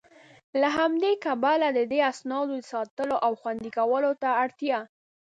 له همدي کبله د دې اسنادو د ساتلو او خوندي کولو ته اړتيا